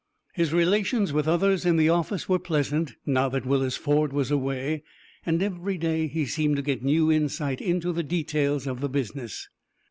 His relations with others in the office were pleasant, now that Willis Ford was away, and every day he seemed to get new insight into the details of the business.